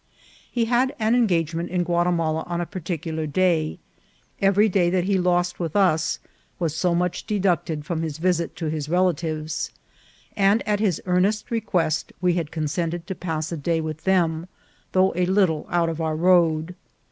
He had an engagement in Guatemala on a particular day ; every day that he lost with us was so much deducted from his visit to his relatives ; and at his earnest request we had consented to pass a day with them, though a little out of our road.